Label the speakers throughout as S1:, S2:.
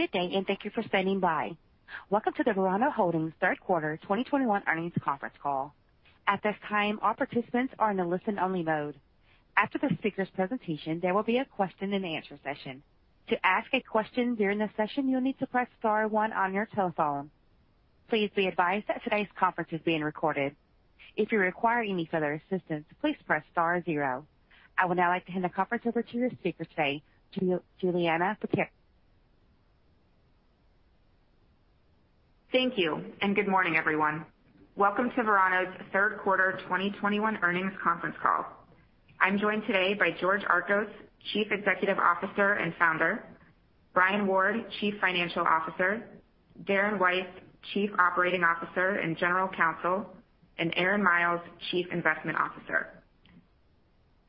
S1: Good day, and thank you for standing by. Welcome to the Verano Holdings third quarter 2021 earnings conference call. At this time, all participants are in a listen-only mode. After the speakers' presentation, there will be a question-and-answer session. To ask a question during the session, you'll need to press star one on your telephone. Please be advised that today's conference is being recorded. If you require any further assistance, please press star zero. I would now like to hand the conference over to your speaker today, Julianna Paterra.
S2: Thank you, and good morning, everyone. Welcome to Verano's third quarter 2021 earnings conference call. I'm joined today by George Archos, Chief Executive Officer and Founder, Brian Ward, Chief Financial Officer, Darren Weiss, Chief Operating Officer and General Counsel, and Aaron Miles, Chief Investment Officer.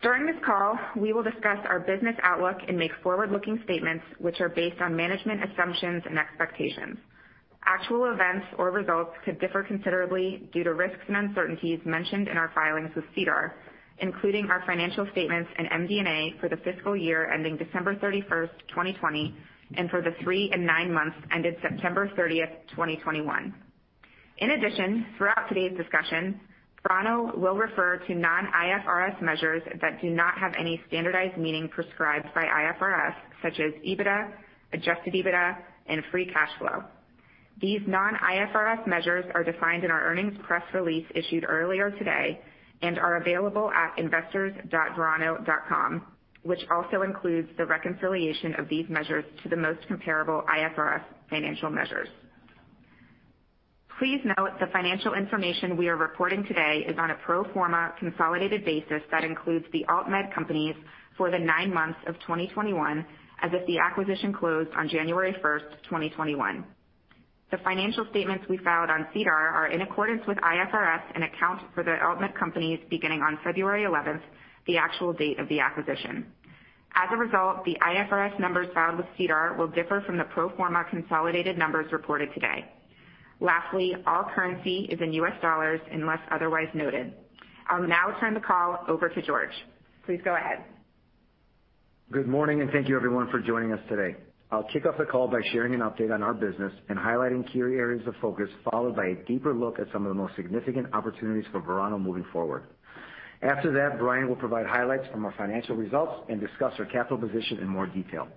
S2: During this call, we will discuss our business outlook and make forward-looking statements which are based on management assumptions and expectations. Actual events or results could differ considerably due to risks and uncertainties mentioned in our filings with SEDAR, including our financial statements and MD&A for the fiscal year ending December 31, 2020, and for the three and nine months ended September 30, 2021. In addition, throughout today's discussion, Verano will refer to non-IFRS measures that do not have any standardized meaning prescribed by IFRS, such as EBITDA, Adjusted EBITDA, and free cash flow. These non-IFRS measures are defined in our earnings press release issued earlier today and are available at investors.verano.com, which also includes the reconciliation of these measures to the most comparable IFRS financial measures. Please note the financial information we are reporting today is on a pro forma consolidated basis that includes the AltMed companies for the nine months of 2021, as if the acquisition closed on January 1st, 2021. The financial statements we filed on SEDAR are in accordance with IFRS and account for the AltMed companies beginning on February 11, the actual date of the acquisition. As a result, the IFRS numbers filed with SEDAR will differ from the pro forma consolidated numbers reported today. Lastly, all currency is in US dollars unless otherwise noted. I'll now turn the call over to George. Please go ahead.
S3: Good morning, and thank you everyone for joining us today. I'll kick off the call by sharing an update on our business and highlighting key areas of focus, followed by a deeper look at some of the most significant opportunities for Verano moving forward. After that, Brian will provide highlights from our financial results and discuss our capital position in more detail.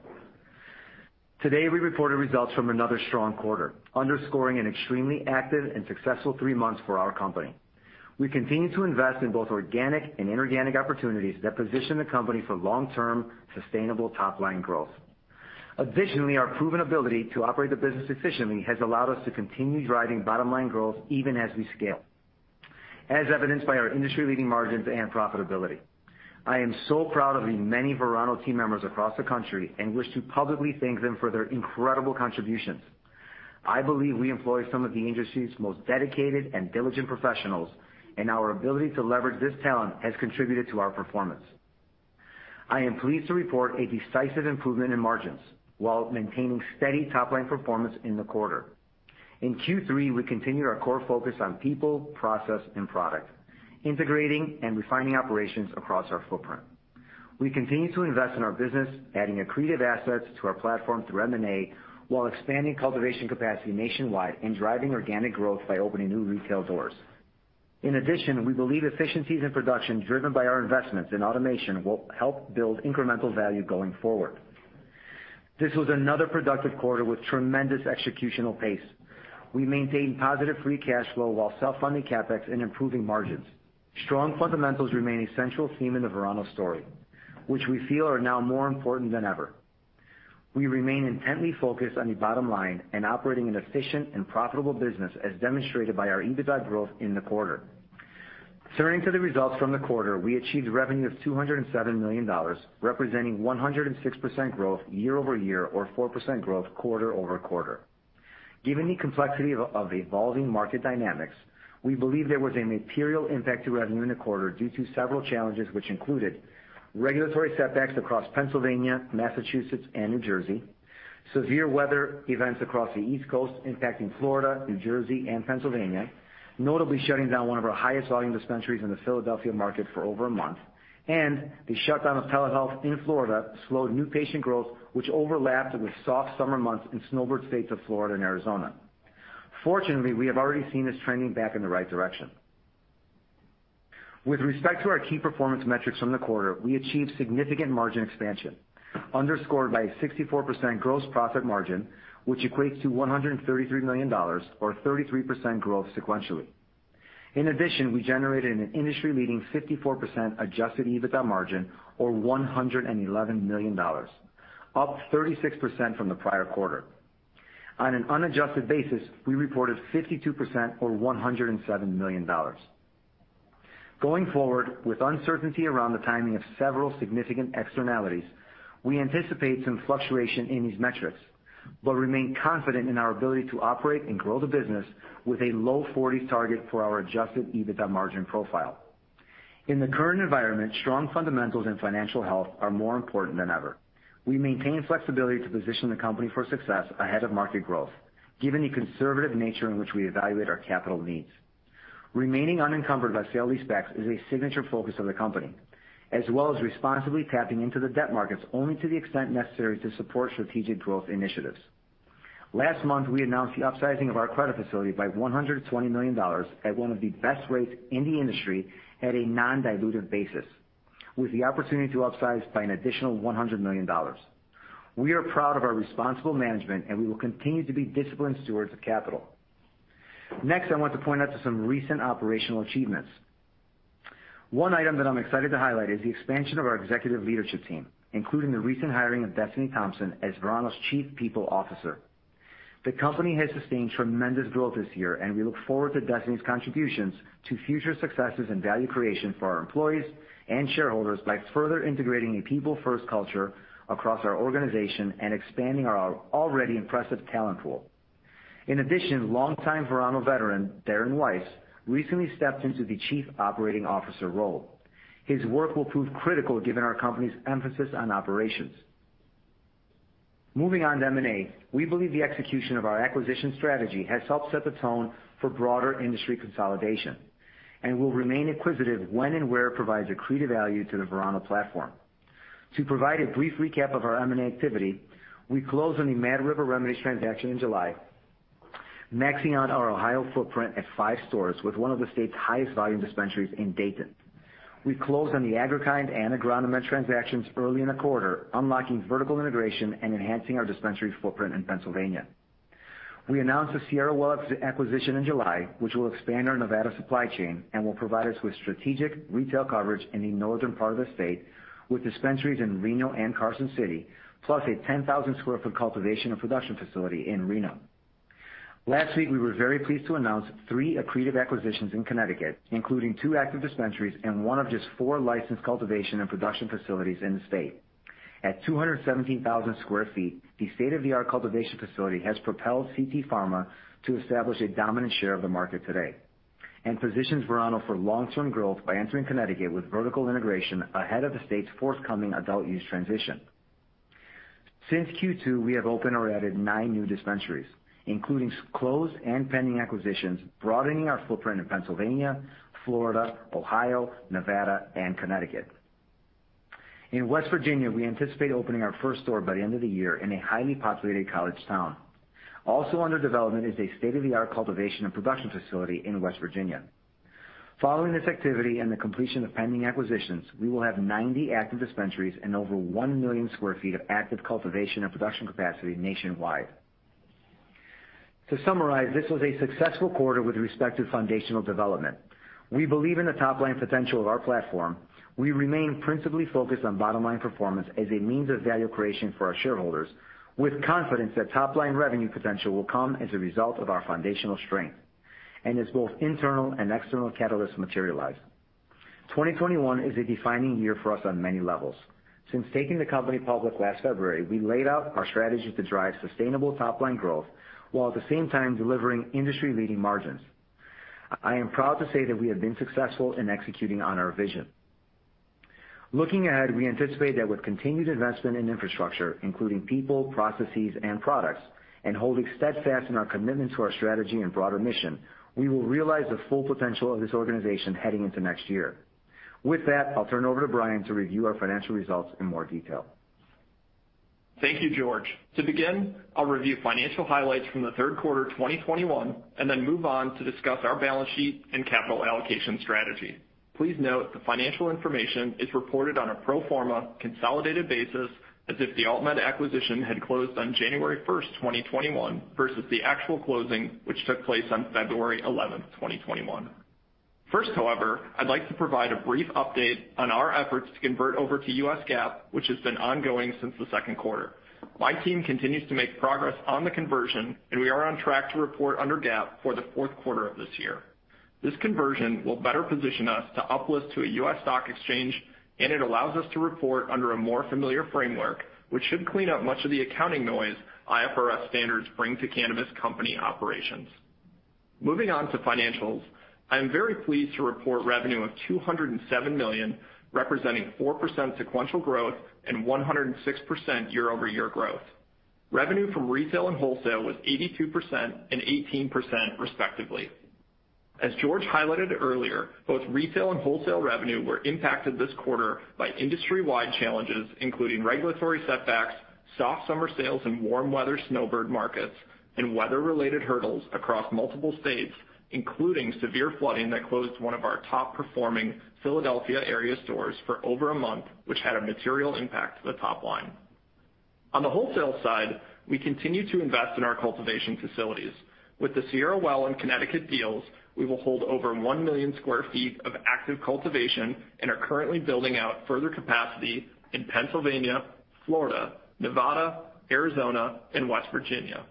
S3: Today, we reported results from another strong quarter, underscoring an extremely active and successful three months for our company. We continue to invest in both organic and inorganic opportunities that position the company for long-term sustainable top-line growth. Additionally, our proven ability to operate the business efficiently has allowed us to continue driving bottom-line growth even as we scale, as evidenced by our industry-leading margins and profitability. I am so proud of the many Verano team members across the country and wish to publicly thank them for their incredible contributions. I believe we employ some of the industry's most dedicated and diligent professionals, and our ability to leverage this talent has contributed to our performance. I am pleased to report a decisive improvement in margins while maintaining steady top-line performance in the quarter. In Q3, we continued our core focus on people, process, and product, integrating and refining operations across our footprint. We continue to invest in our business, adding accretive assets to our platform through M&A, while expanding cultivation capacity nationwide and driving organic growth by opening new retail doors. In addition, we believe efficiencies in production driven by our investments in automation will help build incremental value going forward. This was another productive quarter with tremendous executional pace. We maintained positive free cash flow while self-funding CapEx and improving margins. Strong fundamentals remain a central theme in the Verano story, which we feel are now more important than ever. We remain intently focused on the bottom line and operating an efficient and profitable business as demonstrated by our EBITDA growth in the quarter. Turning to the results from the quarter, we achieved revenue of $207 million, representing 106% growth year-over-year or 4% growth quarter-over-quarter. Given the complexity of the evolving market dynamics, we believe there was a material impact to revenue in the quarter due to several challenges, which included regulatory setbacks across Pennsylvania, Massachusetts, and New Jersey, severe weather events across the East Coast impacting Florida, New Jersey, and Pennsylvania, notably shutting down one of our highest volume dispensaries in the Philadelphia market for over a month. The shutdown of telehealth in Florida slowed new patient growth, which overlapped with soft summer months in snowbird states of Florida and Arizona. Fortunately, we have already seen this trending back in the right direction. With respect to our key performance metrics from the quarter, we achieved significant margin expansion underscored by a 64% gross profit margin, which equates to $133 million or 33% growth sequentially. In addition, we generated an industry-leading 54% Adjusted EBITDA margin or $111 million, up 36% from the prior quarter. On an unadjusted basis, we reported 52% or $107 million. Going forward, with uncertainty around the timing of several significant externalities, we anticipate some fluctuation in these metrics, but remain confident in our ability to operate and grow the business with a low 40s target for our Adjusted EBITDA margin profile. In the current environment, strong fundamentals and financial health are more important than ever. We maintain flexibility to position the company for success ahead of market growth, given the conservative nature in which we evaluate our capital needs. Remaining unencumbered by sale-leasebacks is a signature focus of the company, as well as responsibly tapping into the debt markets only to the extent necessary to support strategic growth initiatives. Last month, we announced the upsizing of our credit facility by $120 million at one of the best rates in the industry at a non-dilutive basis, with the opportunity to upsize by an additional $100 million. We are proud of our responsible management, and we will continue to be disciplined stewards of capital. Next, I want to point out some recent operational achievements. One item that I'm excited to highlight is the expansion of our executive leadership team, including the recent hiring of Destiny Thompson as Verano's Chief People Officer. The company has sustained tremendous growth this year, and we look forward to Destiny's contributions to future successes and value creation for our employees and shareholders by further integrating a people-first culture across our organization and expanding our already impressive talent pool. In addition, longtime Verano veteran, Darren Weiss, recently stepped into the Chief Operating Officer role. His work will prove critical given our company's emphasis on operations. Moving on to M&A. We believe the execution of our acquisition strategy has helped set the tone for broader industry consolidation and will remain inquisitive when and where it provides accretive value to the Verano platform. To provide a brief recap of our M&A activity, we closed on the Mad River Remedies transaction in July, maxing out our Ohio footprint at five stores with one of the state's highest volume dispensaries in Dayton. We closed on the Agri-Kind and Agronomed transactions early in the quarter, unlocking vertical integration and enhancing our dispensary footprint in Pennsylvania. We announced the Sierra Well acquisition in July, which will expand our Nevada supply chain and will provide us with strategic retail coverage in the northern part of the state, with dispensaries in Reno and Carson City, plus a 10,000 sq ft cultivation and production facility in Reno. Last week, we were very pleased to announce three accretive acquisitions in Connecticut, including two active dispensaries and one of just four licensed cultivation and production facilities in the state. At 217,000 sq ft, the state-of-the-art cultivation facility has propelled CTPharma to establish a dominant share of the market today and positions Verano for long-term growth by entering Connecticut with vertical integration ahead of the state's forthcoming adult use transition. Since Q2, we have opened or added nine new dispensaries, including closed and pending acquisitions, broadening our footprint in Pennsylvania, Florida, Ohio, Nevada, and Connecticut. In West Virginia, we anticipate opening our first store by the end of the year in a highly populated college town. Also under development is a state-of-the-art cultivation and production facility in West Virginia. Following this activity and the completion of pending acquisitions, we will have 90 active dispensaries and over 1 million sq ft of active cultivation and production capacity nationwide. To summarize, this was a successful quarter with respect to foundational development. We believe in the top-line potential of our platform. We remain principally focused on bottom-line performance as a means of value creation for our shareholders with confidence that top-line revenue potential will come as a result of our foundational strength and as both internal and external catalysts materialize. 2021 is a defining year for us on many levels. Since taking the company public last February, we laid out our strategy to drive sustainable top-line growth while at the same time delivering industry-leading margins. I am proud to say that we have been successful in executing on our vision. Looking ahead, we anticipate that with continued investment in infrastructure, including people, processes, and products, and holding steadfast in our commitment to our strategy and broader mission, we will realize the full potential of this organization heading into next year. With that, I'll turn over to Brian to review our financial results in more detail.
S4: Thank you, George. To begin, I'll review financial highlights from the third quarter 2021 and then move on to discuss our balance sheet and capital allocation strategy. Please note the financial information is reported on a pro forma consolidated basis as if the AltMed acquisition had closed on January 1st, 2021 versus the actual closing which took place on February 11, 2021. First, however, I'd like to provide a brief update on our efforts to convert over to U.S. GAAP, which has been ongoing since the second quarter. My team continues to make progress on the conversion, and we are on track to report under U.S. GAAP for the fourth quarter of this year. This conversion will better position us to uplist to a U.S. stock exchange, and it allows us to report under a more familiar framework, which should clean up much of the accounting noise IFRS standards bring to cannabis company operations. Moving on to financials. I am very pleased to report revenue of $207 million, representing 4% sequential growth and 106% year-over-year growth. Revenue from retail and wholesale was 82% and 18% respectively. As George highlighted earlier, both retail and wholesale revenue were impacted this quarter by industry-wide challenges, including regulatory setbacks, soft summer sales in warm weather snowbird markets, and weather-related hurdles across multiple states, including severe flooding that closed one of our top-performing Philadelphia area stores for over a month, which had a material impact to the top line. On the wholesale side, we continue to invest in our cultivation facilities. With the Sierra Well and Connecticut deals, we will hold over 1 million sq ft of active cultivation and are currently building out further capacity in Pennsylvania, Florida, Nevada, Arizona, and West Virginia.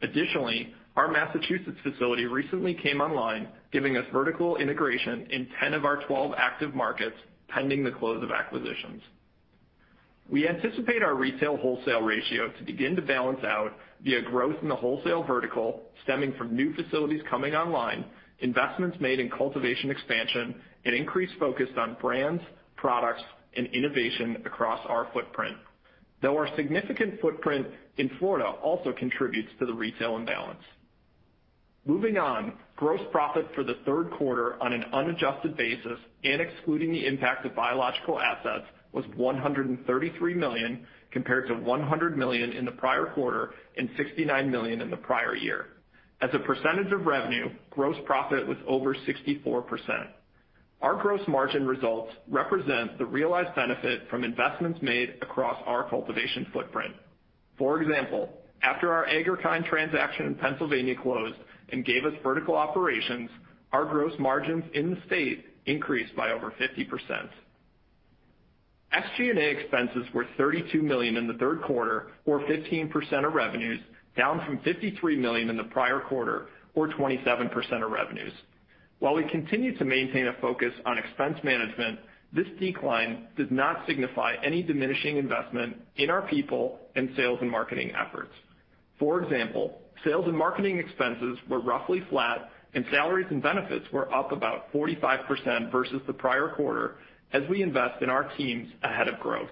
S4: Additionally, our Massachusetts facility recently came online, giving us vertical integration in 10 of our 12 active markets pending the close of acquisitions. We anticipate our retail-wholesale ratio to begin to balance out via growth in the wholesale vertical stemming from new facilities coming online, investments made in cultivation expansion, and increased focus on brands, products, and innovation across our footprint. Though our significant footprint in Florida also contributes to the retail imbalance. Moving on, gross profit for the third quarter on an unadjusted basis and excluding the impact of biological assets was $133 million, compared to $100 million in the prior quarter and $69 million in the prior year. As a percentage of revenue, gross profit was over 64%. Our gross margin results represent the realized benefit from investments made across our cultivation footprint. For example, after our Agri-Kind transaction in Pennsylvania closed and gave us vertical operations, our gross margins in the state increased by over 50%. SG&A expenses were $32 million in the third quarter or 15% of revenues, down from $53 million in the prior quarter or 27% of revenues. While we continue to maintain a focus on expense management, this decline does not signify any diminishing investment in our people and sales and marketing efforts. For example, sales and marketing expenses were roughly flat and salaries and benefits were up about 45% versus the prior quarter as we invest in our teams ahead of growth.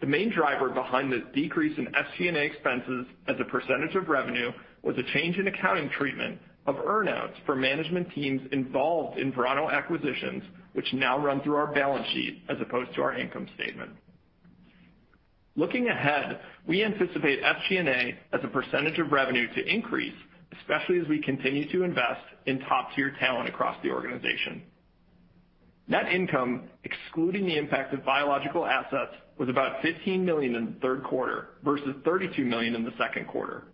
S4: The main driver behind this decrease in SG&A expenses as a percentage of revenue was a change in accounting treatment of earn outs for management teams involved in Verano acquisitions, which now run through our balance sheet as opposed to our income statement. Looking ahead, we anticipate SG&A as a percentage of revenue to increase, especially as we continue to invest in top-tier talent across the organization. Net income, excluding the impact of biological assets, was about $15 million in the third quarter versus $32 million in the second quarter.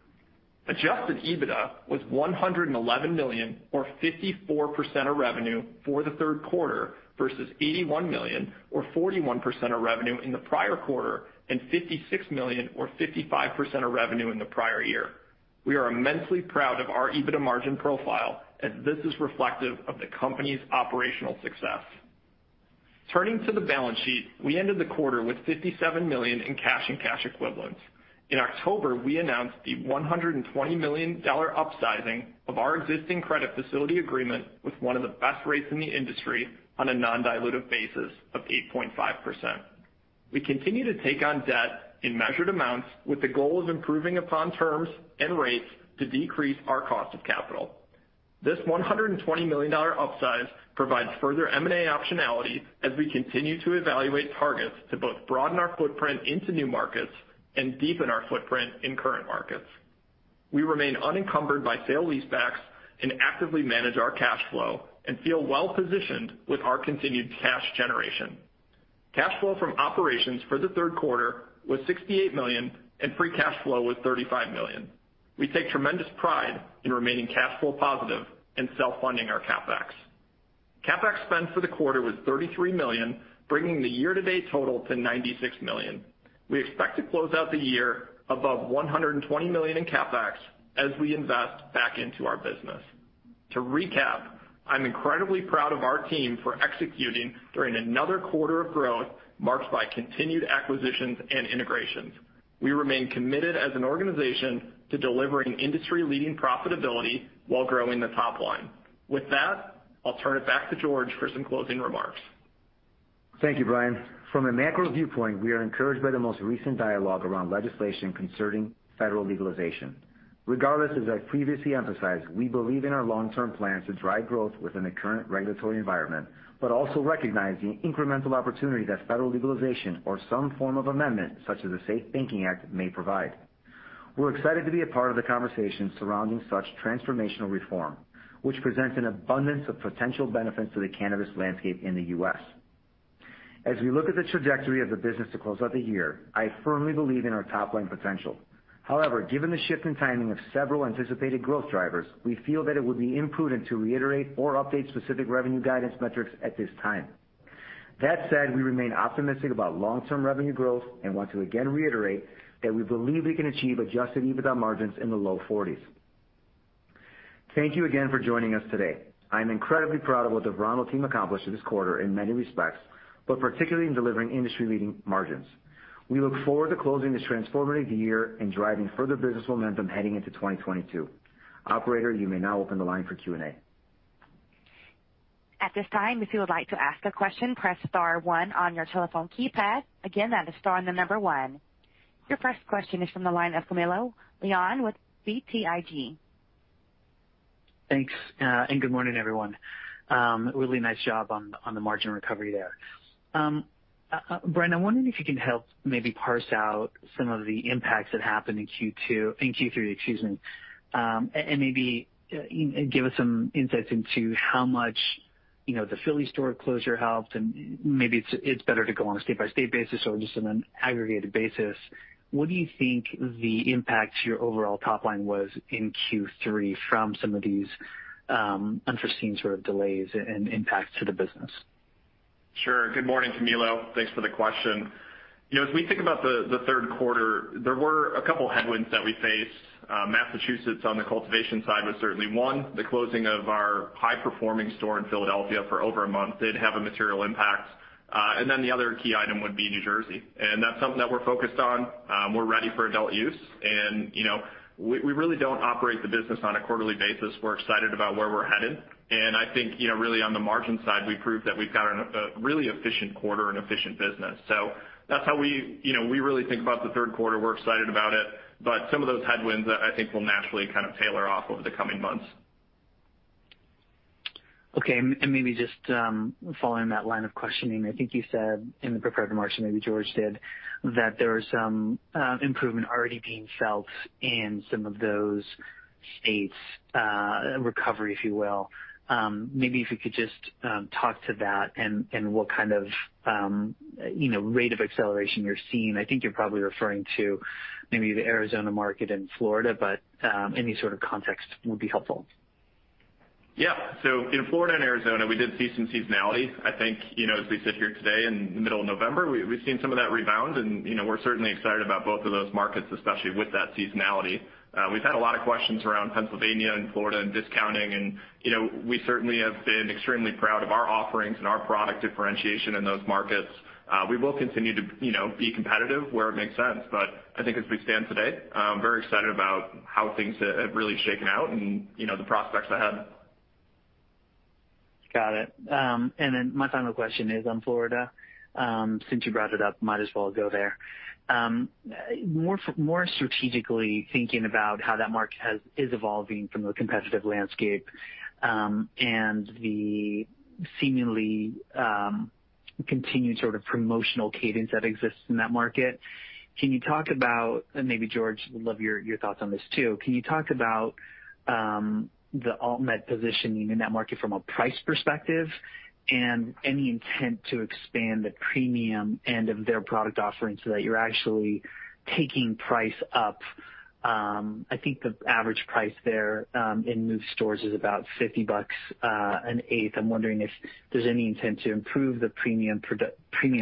S4: Adjusted EBITDA was $111 million or 54% of revenue for the third quarter versus $81 million or 41% of revenue in the prior quarter, and $56 million or 55% of revenue in the prior year. We are immensely proud of our EBITDA margin profile, as this is reflective of the company's operational success. Turning to the balance sheet, we ended the quarter with $57 million in cash and cash equivalents. In October, we announced the $120 million upsizing of our existing credit facility agreement with one of the best rates in the industry on a non-dilutive basis of 8.5%. We continue to take on debt in measured amounts with the goal of improving upon terms and rates to decrease our cost of capital. This $120 million upsize provides further M&A optionality as we continue to evaluate targets to both broaden our footprint into new markets and deepen our footprint in current markets. We remain unencumbered by sale-leasebacks and actively manage our cash flow and feel well positioned with our continued cash generation. Cash flow from operations for the third quarter was $68 million, and free cash flow was $35 million. We take tremendous pride in remaining cash flow positive and self-funding our CapEx. CapEx spend for the quarter was $33 million, bringing the year-to-date total to $96 million. We expect to close out the year above $120 million in CapEx as we invest back into our business. To recap, I'm incredibly proud of our team for executing during another quarter of growth marked by continued acquisitions and integrations. We remain committed as an organization to delivering industry-leading profitability while growing the top line. With that, I'll turn it back to George for some closing remarks.
S3: Thank you, Brian. From a macro viewpoint, we are encouraged by the most recent dialogue around legislation concerning federal legalization. Regardless, as I previously emphasized, we believe in our long-term plan to drive growth within the current regulatory environment, but also recognize the incremental opportunity that federal legalization or some form of amendment, such as the SAFE Banking Act, may provide. We're excited to be a part of the conversation surrounding such transformational reform, which presents an abundance of potential benefits to the cannabis landscape in the U.S. As we look at the trajectory of the business to close out the year, I firmly believe in our top-line potential. However, given the shift in timing of several anticipated growth drivers, we feel that it would be imprudent to reiterate or update specific revenue guidance metrics at this time. That said, we remain optimistic about long-term revenue growth and want to again reiterate that we believe we can achieve Adjusted EBITDA margins in the low 40s%. Thank you again for joining us today. I am incredibly proud of what the Verano team accomplished this quarter in many respects, but particularly in delivering industry-leading margins. We look forward to closing this transformative year and driving further business momentum heading into 2022. Operator, you may now open the line for Q&A.
S1: At this time, if you would like to ask a question, press star one on your telephone keypad. Again, that is star and the number one. Your first question is from the line of Camilo Lyon with BTIG.
S5: Thanks and good morning, everyone. Really nice job on the margin recovery there. Brian, I'm wondering if you can help maybe parse out some of the impacts that happened in Q2, in Q3, excuse me. And maybe, you know, give us some insights into how much, you know, the Philly store closure helped, and maybe it's better to go on a state-by-state basis or just on an aggregated basis. What do you think the impact to your overall top line was in Q3 from some of these unforeseen sort of delays and impacts to the business?
S4: Sure. Good morning, Camilo. Thanks for the question. You know, as we think about the third quarter, there were a couple headwinds that we faced. Massachusetts on the cultivation side was certainly one. The closing of our high-performing store in Philadelphia for over a month did have a material impact. The other key item would be New Jersey, and that's something that we're focused on. We're ready for adult use. You know, we really don't operate the business on a quarterly basis. We're excited about where we're headed. I think, you know, really on the margin side, we proved that we've got a really efficient quarter and efficient business. That's how we, you know, we really think about the third quarter. We're excited about it, but some of those headwinds, I think will naturally kind of taper off over the coming months.
S5: Okay. Maybe just following that line of questioning, I think you said in the prepared remarks, or maybe George did, that there was some improvement already being felt in some of those states, recovery, if you will. Maybe if you could just talk to that and what kind of, you know, rate of acceleration you're seeing. I think you're probably referring to maybe the Arizona market and Florida, but any sort of context would be helpful.
S4: Yeah. In Florida and Arizona, we did see some seasonality. I think, you know, as we sit here today in the middle of November, we've seen some of that rebound and, you know, we're certainly excited about both of those markets, especially with that seasonality. We've had a lot of questions around Pennsylvania and Florida and discounting and, you know, we certainly have been extremely proud of our offerings and our product differentiation in those markets. We will continue to, you know, be competitive where it makes sense, but I think as we stand today, very excited about how things have really shaken out and, you know, the prospects ahead.
S5: Got it. My final question is on Florida, since you brought it up, might as well go there. More strategically thinking about how that market is evolving from a competitive landscape, and the seemingly continued sort of promotional cadence that exists in that market, can you talk about, and maybe George would love your thoughts on this too. Can you talk about the AltMed positioning in that market from a price perspective and any intent to expand the premium end of their product offering so that you're actually taking price up? I think the average price there in MÜV stores is about $50 an eighth. I'm wondering if there's any intent to improve the premium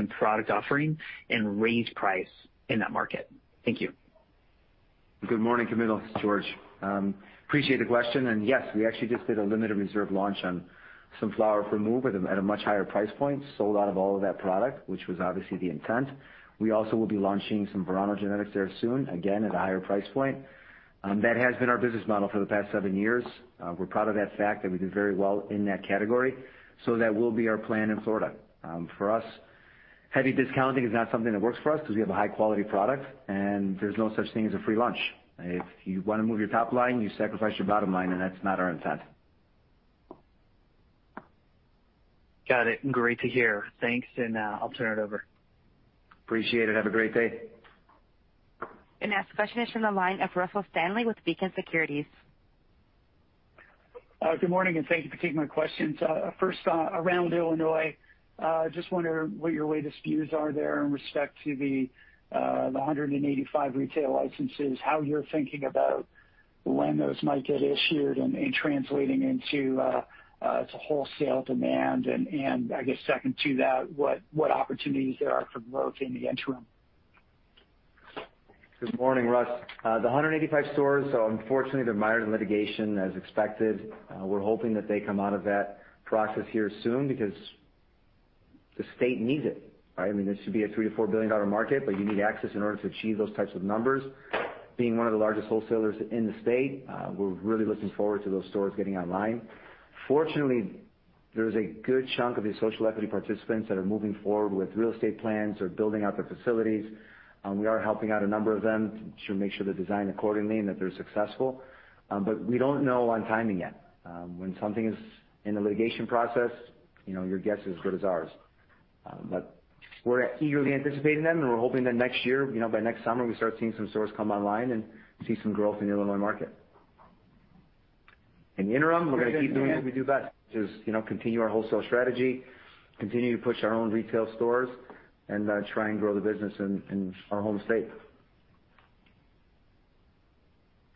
S5: product offering and raise price in that market. Thank you.
S3: Good morning, Camilo. This is George. Appreciate the question. Yes, we actually just did a limited reserve launch on some flower for MÜV at a much higher price point, sold out of all of that product, which was obviously the intent. We also will be launching some Verano genetics there soon, again at a higher price point. That has been our business model for the past seven years. We're proud of that fact that we do very well in that category. That will be our plan in Florida. For us, heavy discounting is not something that works for us because we have a high quality product and there's no such thing as a free lunch. If you wanna move your top line, you sacrifice your bottom line, and that's not our intent.
S5: Got it. Great to hear. Thanks, and I'll turn it over.
S3: Appreciate it. Have a great day.
S1: The next question is from the line of Russell Stanley with Beacon Securities.
S6: Good morning, and thank you for taking my questions. First, around Illinois, just wondering what your latest views are there in respect to the 185 retail licenses, how you're thinking about when those might get issued and translating into wholesale demand. I guess second to that, what opportunities there are for growth in the interim.
S3: Good morning, Russ. The 185 stores, unfortunately, they're mired in litigation as expected. We're hoping that they come out of that process here soon because the state needs it, right? I mean, this should be a $3 billion-$4 billion market, but you need access in order to achieve those types of numbers. Being one of the largest wholesalers in the state, we're really looking forward to those stores getting online. Fortunately, there's a good chunk of the social equity participants that are moving forward with real estate plans or building out their facilities. We are helping out a number of them to make sure they're designed accordingly and that they're successful. But we don't know on timing yet. When something is in the litigation process, you know, your guess is as good as ours. We're eagerly anticipating them and we're hoping that next year, you know, by next summer, we start seeing some stores come online and see some growth in the Illinois market. In the interim, we're gonna keep doing what we do best, which is, you know, continue our wholesale strategy, continue to push our own retail stores and try and grow the business in our home state.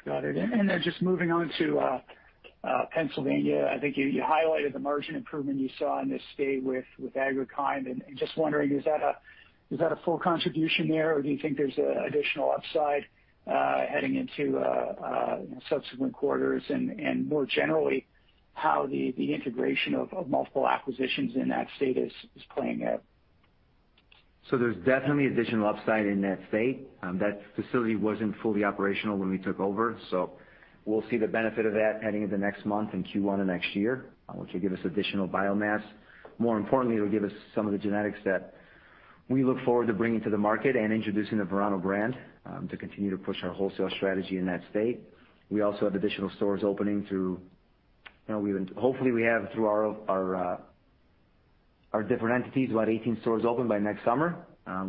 S6: Got it. Then just moving on to Pennsylvania, I think you highlighted the margin improvement you saw in this state with Agri-Kind, and just wondering, is that a full contribution there, or do you think there's additional upside heading into subsequent quarters and more generally, how the integration of multiple acquisitions in that state is playing out?
S3: There's definitely additional upside in that state. That facility wasn't fully operational when we took over, so we'll see the benefit of that heading into next month in Q1 of next year, which will give us additional biomass. More importantly, it'll give us some of the genetics that we look forward to bringing to the market and introducing the Verano brand, to continue to push our wholesale strategy in that state. We also have additional stores opening. You know, hopefully we have through our different entities, we'll have 18 stores open by next summer.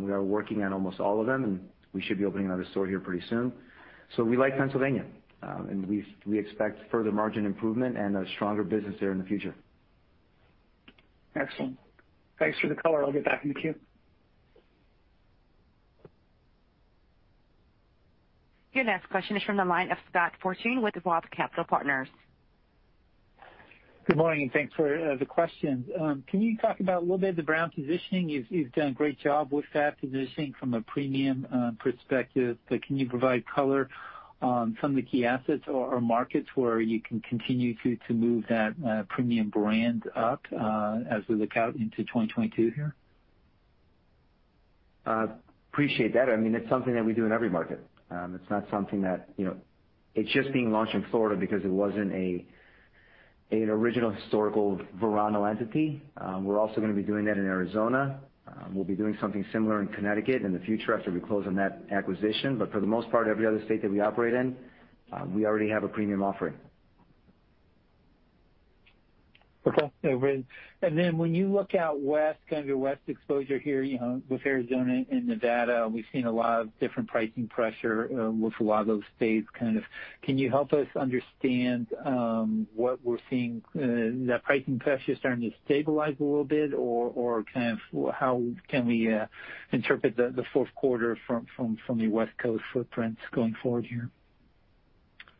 S3: We are working on almost all of them, and we should be opening another store here pretty soon. We like Pennsylvania, and we expect further margin improvement and a stronger business there in the future.
S6: Excellent. Thanks for the color. I'll get back in the queue.
S1: Your next question is from the line of Scott Fortune with Roth Capital Partners.
S7: Good morning, and thanks for the questions. Can you talk about a little bit of the brand positioning? You've done a great job with that positioning from a premium perspective, but can you provide color on some of the key assets or markets where you can continue to move that premium brand up, as we look out into 2022 here?
S3: Appreciate that. I mean, it's something that we do in every market. It's not something that it's just being launched in Florida because it wasn't an original historical Verano entity. We're also gonna be doing that in Arizona. We'll be doing something similar in Connecticut in the future after we close on that acquisition. For the most part, every other state that we operate in, we already have a premium offering.
S7: When you look out west, kind of your west exposure here, you know, with Arizona and Nevada, we've seen a lot of different pricing pressure with a lot of those states kind of. Can you help us understand what we're seeing is that pricing pressure starting to stabilize a little bit or kind of how can we interpret the fourth quarter from the West Coast footprints going forward here?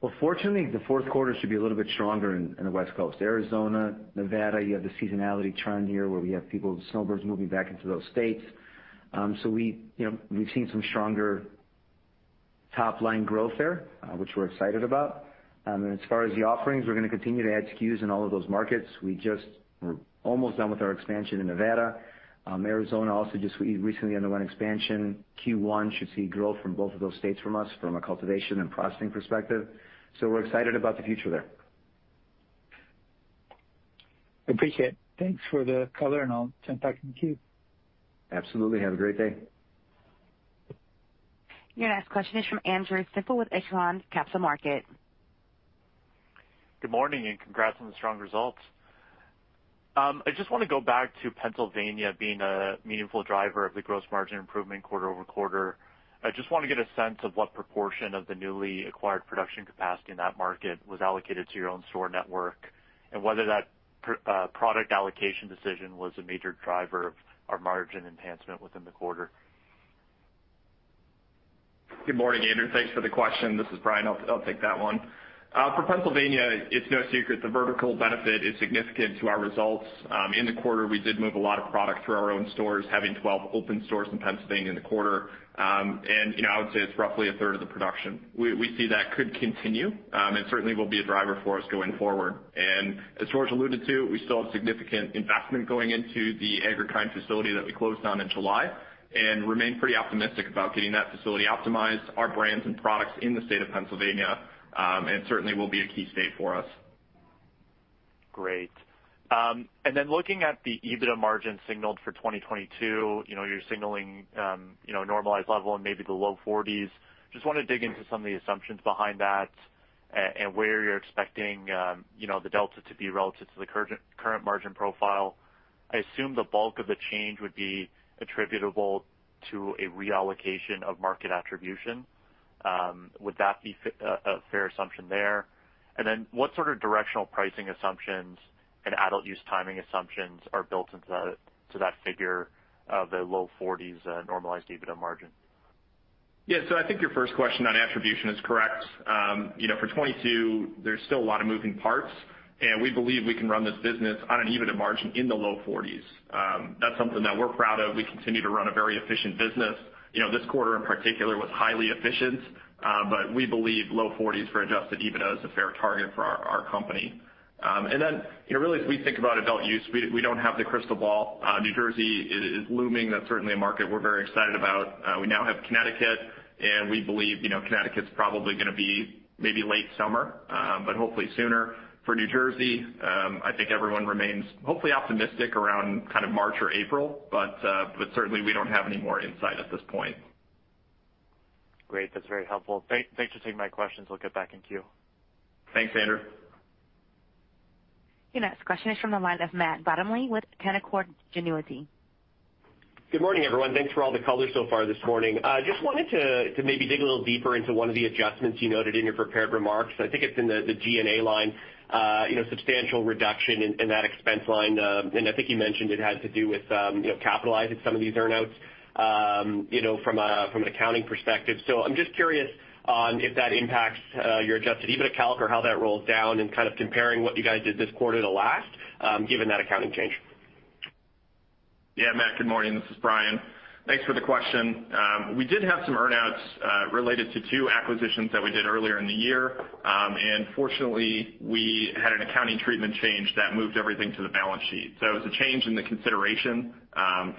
S3: Well, fortunately, the fourth quarter should be a little bit stronger in the West Coast. Arizona, Nevada, you have the seasonality trend here, where we have people, snowbirds moving back into those states. We, you know, we've seen some stronger top line growth there, which we're excited about. As far as the offerings, we're gonna continue to add SKUs in all of those markets. We just, we're almost done with our expansion in Nevada. Arizona also just recently underwent expansion. Q1 should see growth from both of those states from us from a cultivation and processing perspective. We're excited about the future there.
S7: Appreciate it. Thanks for the color, and I'll send back in the queue.
S3: Absolutely. Have a great day.
S1: Your next question is from Andrew Semple with Echelon Capital Markets.
S8: Good morning, and congrats on the strong results. I just wanna go back to Pennsylvania being a meaningful driver of the gross margin improvement quarter-over-quarter. I just wanna get a sense of what proportion of the newly acquired production capacity in that market was allocated to your own store network, and whether that product allocation decision was a major driver of our margin enhancement within the quarter.
S4: Good morning, Andrew. Thanks for the question. This is Brian. I'll take that one. For Pennsylvania, it's no secret the vertical benefit is significant to our results. In the quarter, we did move a lot of product through our own stores, having 12 open stores in Pennsylvania in the quarter. You know, I would say it's roughly a third of the production. We see that could continue, and certainly will be a driver for us going forward. As George alluded to, we still have significant investment going into the Agri-Kind facility that we closed on in July and remain pretty optimistic about getting that facility optimized, our brands and products in the state of Pennsylvania, and certainly will be a key state for us.
S8: Great. Looking at the EBITDA margin signaled for 2022, you know, you're signaling, you know, normalized level and maybe the low 40s%. Just wanna dig into some of the assumptions behind that and where you're expecting, you know, the delta to be relative to the current margin profile. I assume the bulk of the change would be attributable to a reallocation of market attribution. Would that be a fair assumption there? What sort of directional pricing assumptions and adult use timing assumptions are built into that figure of the low 40s% normalized EBITDA margin?
S4: Yeah. I think your first question on attribution is correct. You know, for 2022, there's still a lot of moving parts, and we believe we can run this business on an EBITDA margin in the low 40s. That's something that we're proud of. We continue to run a very efficient business. You know, this quarter in particular was highly efficient, but we believe low 40s for Adjusted EBITDA is a fair target for our company. You know, really, as we think about adult use, we don't have the crystal ball. New Jersey is looming. That's certainly a market we're very excited about. We now have Connecticut, and we believe, you know, Connecticut's probably gonna be maybe late summer, but hopefully sooner. For New Jersey, I think everyone remains hopefully optimistic around kind of March or April, but certainly we don't have any more insight at this point.
S8: Great. That's very helpful. Thanks for taking my questions. We'll get back in queue.
S4: Thanks, Andrew.
S1: Your next question is from the line of Matt Bottomley with Canaccord Genuity.
S9: Good morning, everyone. Thanks for all the color so far this morning. Just wanted to maybe dig a little deeper into one of the adjustments you noted in your prepared remarks. I think it's in the G&A line. You know, substantial reduction in that expense line. I think you mentioned it had to do with you know, capitalizing some of these earn-outs, you know, from an accounting perspective. I'm just curious on if that impacts your Adjusted EBITDA calc or how that rolls down and kind of comparing what you guys did this quarter to last, given that accounting change.
S4: Yeah. Matt, good morning. This is Brian. Thanks for the question. We did have some earn-outs related to two acquisitions that we did earlier in the year. Fortunately, we had an accounting treatment change that moved everything to the balance sheet. It's a change in the consideration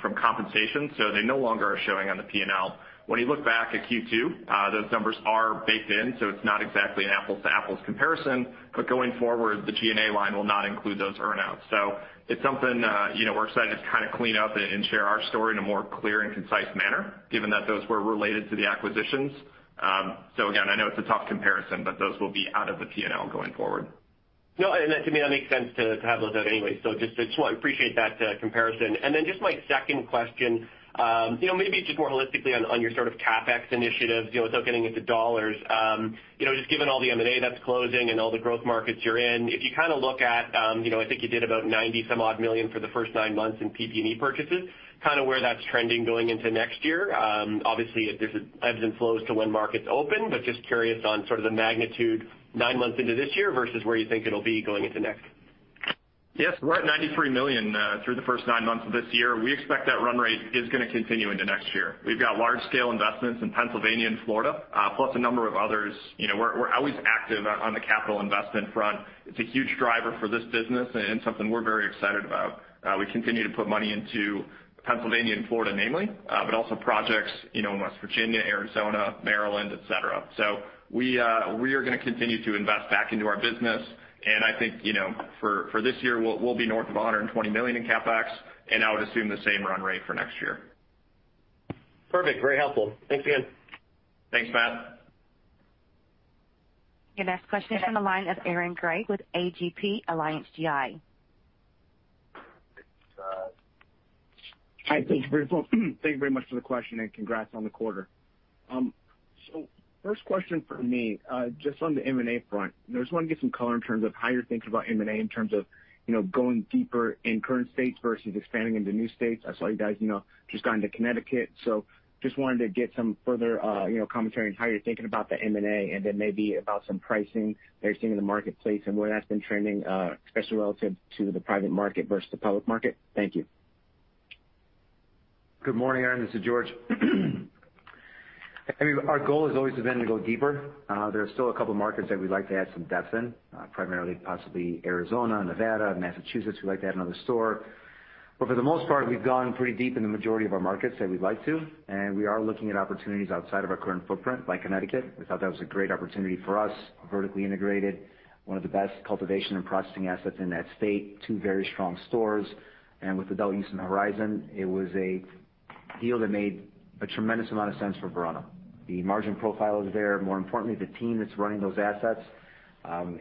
S4: from compensation, so they no longer are showing on the P&L. When you look back at Q2, those numbers are baked in, so it's not exactly an apples-to-apples comparison. Going forward, the G&A line will not include those earn-outs. It's something, you know, we're excited to kind of clean up and share our story in a more clear and concise manner given that those were related to the acquisitions. Again, I know it's a tough comparison, but those will be out of the P&L going forward.
S9: No, that to me makes sense to have those out anyway. Just wanna appreciate that comparison. Just my second question, you know, maybe just more holistically on your sort of CapEx initiatives, you know, without getting into dollars. You know, just given all the M&A that's closing and all the growth markets you're in, if you kind of look at, you know, I think you did about $90-some-odd million for the first nine months in PP&E purchases, kind of where that's trending going into next year. Obviously, there's ebbs and flows to when markets open, but just curious on sort of the magnitude nine months into this year versus where you think it'll be going into next.
S4: Yes, we're at $93 million through the first nine months of this year. We expect that run-rate is gonna continue into next year. We've got large scale investments in Pennsylvania and Florida, plus a number of others. You know, we're always active on the capital investment front. It's a huge driver for this business and something we're very excited about. We continue to put money into Pennsylvania and Florida mainly, but also projects, you know, in West Virginia, Arizona, Maryland, et cetera. We are gonna continue to invest back into our business, and I think, you know, for this year we'll be north of $120 million in CapEx, and I would assume the same run-rate for next year.
S9: Perfect. Very helpful. Thanks again.
S4: Thanks, Matt.
S1: Your next question is from the line of Aaron Grey with AGP/Alliance GI.
S10: Hi. Thank you very much. Thank you very much for the question, and congrats on the quarter. So first question from me, just on the M&A front. I just wanna get some color in terms of how you're thinking about M&A in terms of, you know, going deeper in current states versus expanding into new states. I saw you guys, you know, just got into Connecticut, so just wanted to get some further, you know, commentary on how you're thinking about the M&A and then maybe about some pricing that you're seeing in the marketplace and where that's been trending, especially relative to the private market versus the public market. Thank you.
S3: Good morning, Aaron. This is George. I mean, our goal has always been to go deeper. There are still a couple of markets that we'd like to add some depth in, primarily, possibly Arizona, Nevada, Massachusetts. We'd like to add another store, but for the most part, we've gone pretty deep in the majority of our markets that we'd like to, and we are looking at opportunities outside of our current footprint, like Connecticut. We thought that was a great opportunity for us, vertically integrated, one of the best cultivation and processing assets in that state, two very strong stores, and with adult use on the horizon, it was a deal that made a tremendous amount of sense for Verano. The margin profile is there. More importantly, the team that's running those assets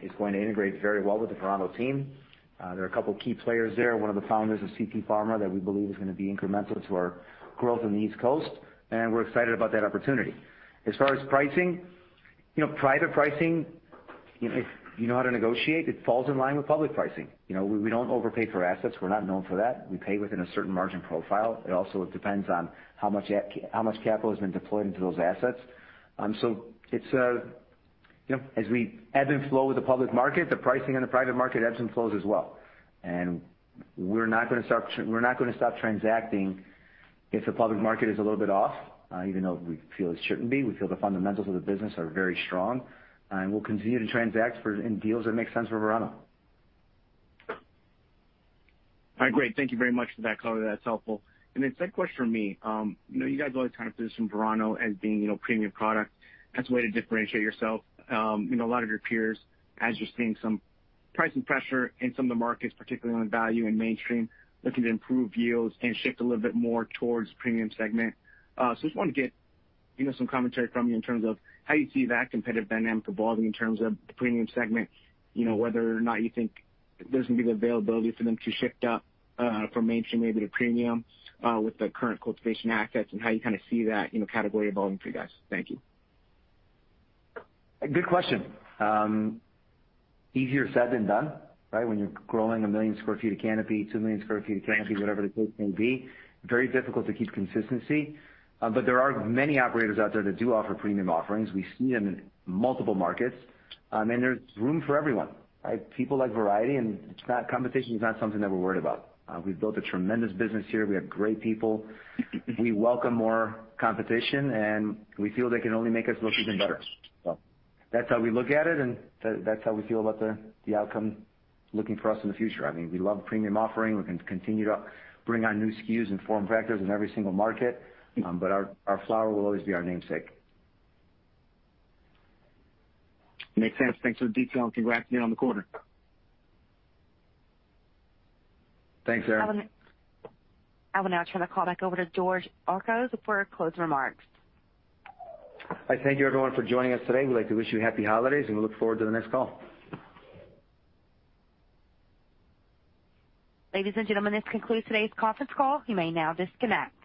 S3: is going to integrate very well with the Verano team. There are a couple of key players there, one of the founders of CTPharma that we believe is gonna be incremental to our growth on the East Coast, and we're excited about that opportunity. As far as pricing, you know, private pricing, if you know how to negotiate, it falls in line with public pricing. You know, we don't overpay for assets. We're not known for that. We pay within a certain margin profile. It also depends on how much capital has been deployed into those assets. So it's, you know, as we ebb and flow with the public market, the pricing in the private market ebbs and flows as well. We're not gonna stop transacting if the public market is a little bit off, even though we feel it shouldn't be. We feel the fundamentals of the business are very strong, and we'll continue to transact in deals that make sense for Verano.
S10: All right, great. Thank you very much for that color. That's helpful. Second question from me. You know, you guys always kind of position Verano as being, you know, premium product as a way to differentiate yourself from a lot of your peers as you're seeing some pricing pressure in some of the markets, particularly on the value and mainstream, looking to improve yields and shift a little bit more towards premium segment. Just wanted to get, you know, some commentary from you in terms of how you see that competitive dynamic evolving in terms of the premium segment, you know, whether or not you think there's gonna be the availability for them to shift up from mainstream maybe to premium with the current cultivation assets and how you kind of see that, you know, category evolving for you guys. Thank you.
S3: Good question. Easier said than done, right? When you're growing 1 million sq ft of canopy, 2 million sq ft of canopy, whatever the case may be, very difficult to keep consistency. But there are many operators out there that do offer premium offerings. We see them in multiple markets. And there's room for everyone, right? People like variety, and Competition is not something that we're worried about. We've built a tremendous business here. We have great people. We welcome more competition, and we feel they can only make us look even better. That's how we look at it, and that's how we feel about the outcome looking for us in the future. I mean, we love premium offering. We're going to continue to bring on new SKUs and form factors in every single market, but our flower will always be our namesake.
S10: Makes sense. Thanks for the detail, and congrats again on the quarter.
S3: Thanks, Aaron.
S1: I will now turn the call back over to George Archos for closing remarks.
S3: I thank you everyone for joining us today. We'd like to wish you happy holidays, and we look forward to the next call.
S1: Ladies and gentlemen, this concludes today's conference call. You may now disconnect.